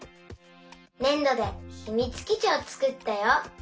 ねんどでひみつきちをつくったよ。